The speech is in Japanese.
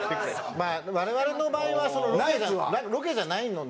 まあ我々の場合はロケじゃロケじゃないので。